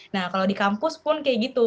nah kalau di kampus pun kayak gitu